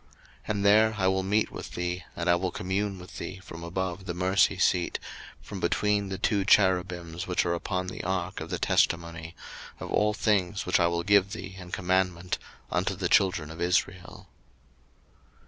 02:025:022 And there I will meet with thee, and I will commune with thee from above the mercy seat, from between the two cherubims which are upon the ark of the testimony, of all things which I will give thee in commandment unto the children of Israel.